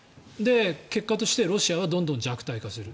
結果としてロシアはどんどん弱体化する。